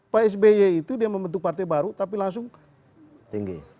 pak sby itu dia membentuk partai baru tapi langsung tinggi